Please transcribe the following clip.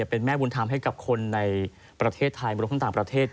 เป็นแม่บุญธรรมให้กับคนในประเทศไทยรวมทั้งต่างประเทศ